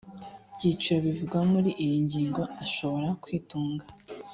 byiciro bivugwa muri iyi ngingo ashoboye kwitunga